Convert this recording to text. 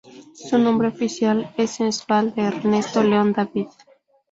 Su nombre oficial es Embalse Ernesto León David.